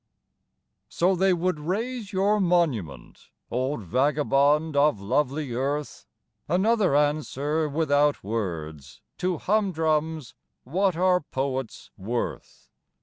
V. So they would raise your monument, Old vagabond of lovely earth? Another answer without words To Humdrum's, "What are poets worth?"